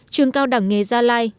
trường cao đẳng nghề gia lai